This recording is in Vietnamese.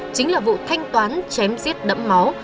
chính là vụ thanh toán chém giết đẫm máu